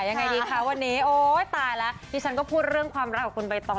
ยังไงดีคะวันนี้โอ๊ยตายแล้วดิฉันก็พูดเรื่องความรักของคุณใบตอง